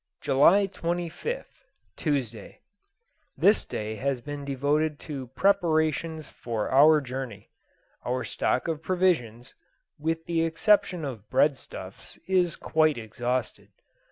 July 25th, Tuesday. This day has been devoted to preparations for our journey. Our stock of provisions, with the exception of breadstuffs, is quite exhausted.